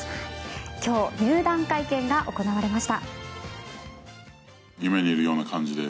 今日入団会見が行われました。